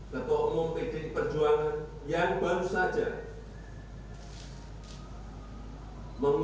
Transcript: ketua umum pdi perjuangan